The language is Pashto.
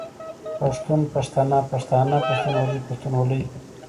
پښتون، پښتنه، پښتانه، پښتونولي، پښتونولۍ